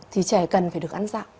thì trẻ cần phải được ăn dặm